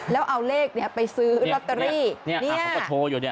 แล้วเอาเลขเนี่ยไปซื้อลอตเตอรี่เนี่ยเขาก็โชว์อยู่เนี่ย